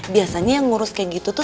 biasanya yang ngurus kayak gitu tuh